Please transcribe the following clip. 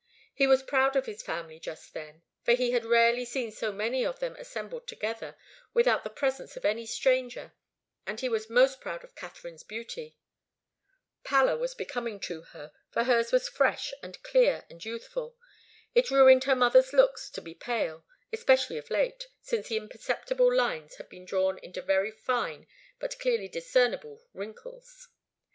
He was proud of his family just then, for he had rarely seen so many of them assembled together without the presence of any stranger, and he was most proud of Katharine's beauty. Pallor was becoming to her, for hers was fresh and clear and youthful. It ruined her mother's looks to be pale, especially of late, since the imperceptible lines had been drawn into very fine but clearly discernible wrinkles.